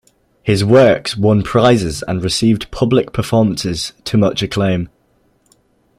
His works won prizes and received public performances to much acclaim.